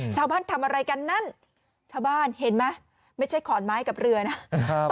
ทำอะไรกันนั้นชาวบ้านเห็นไหมไม่ใช่ขอนไม้กับเรือนะครับ